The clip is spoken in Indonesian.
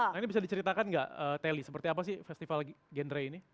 nah ini bisa diceritakan nggak teli seperti apa sih festival genre ini